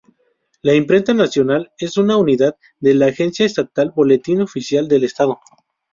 La Imprenta Nacional es una unidad de la Agencia Estatal Boletín Oficial del Estado.